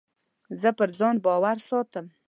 زه پر ځان پام ساتم.